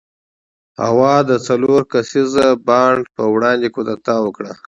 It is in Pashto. هوا د څلور کسیز بانډ پر وړاندې کودتا وکړه.